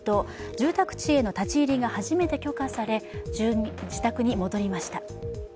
住宅地への立ち入りが初めて許可され、住民が自宅に戻りました。